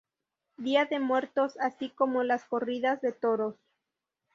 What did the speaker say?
Día de muertos así como las corridas de toros.